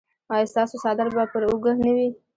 ایا ستاسو څادر به پر اوږه نه وي؟